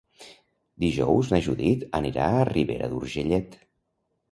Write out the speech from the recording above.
Dijous na Judit anirà a Ribera d'Urgellet.